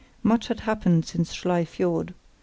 Much had happened since Schlei Fiord.